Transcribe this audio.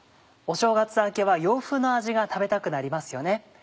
お正月明けは洋風の味が食べたくなりますよね。